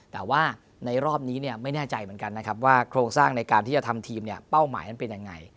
แต่ว่าในรอบนี้ไม่แน่ใจเหมือนกันนะครับว่าโครงสร้างในการที่จะทำทีมเนี่ยเป้าหมายนั้นเป็นยังไง